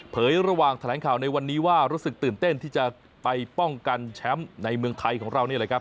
ระหว่างแถลงข่าวในวันนี้ว่ารู้สึกตื่นเต้นที่จะไปป้องกันแชมป์ในเมืองไทยของเรานี่แหละครับ